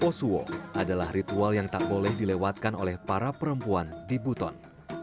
posuo adalah ritual yang tak boleh dilewatkan oleh para perempuan di buton